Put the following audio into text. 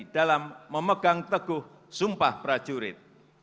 dalam memegang teguh sumpah prajurit